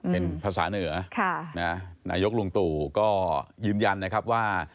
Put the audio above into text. เป็นภาษาเหนือนายกลุงตู่ก็ยืนยันนะครับว่า